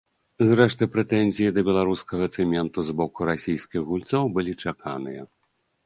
Зрэшты, прэтэнзіі да беларускага цэменту з боку расійскіх гульцоў былі чаканыя.